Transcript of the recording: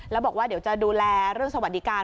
แล้วบอกว่าเดี๋ยวจะดูแลเรื่องสวัสดิการ